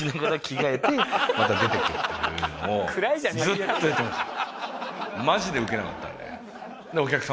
ずっとやってました。